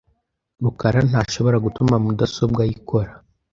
rukara ntashobora gutuma mudasobwa ye ikora .